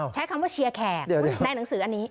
ใช้คำว่าเชียร์แขกในหนังสืออันนี้